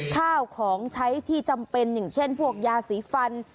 ข้าวของใช้ที่จำเป็นอย่างเช่นพวกยาสีฟัน